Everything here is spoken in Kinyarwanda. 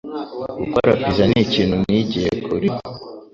Gukora pizza nikintu nigiye kuri